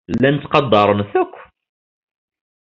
Llan ttqadaren-t akk.